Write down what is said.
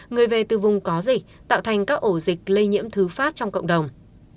người về từ vùng có dịch tạo thành các ổ dịch lây nhiễm thứ phát trong cộng đồng